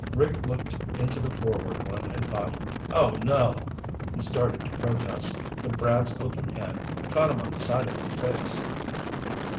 Rick looked into the forward one and thought, "Oh, no!" He started to protest, but Brad's open hand caught him on the side of the face.